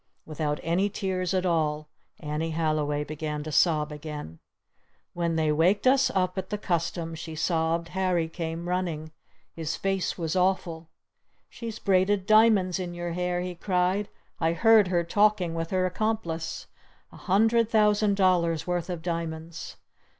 Without any tears at all Annie Halliway began to sob again. "When they waked us up at the Customs," she sobbed, "Harry came running! His face was awful! 'She's braided diamonds in your hair!' he cried. 'I heard her talking with her accomplice! A hundred thousand dollars' worth of diamonds!